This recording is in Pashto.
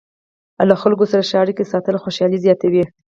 له خلکو سره ښې اړیکې ساتل خوشحالي زیاتوي.